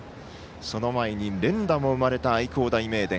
その前に、連打も生まれた愛工大名電。